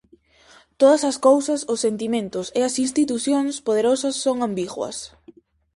Todas as cousas, os sentimentos e as institucións poderosas son ambiguas.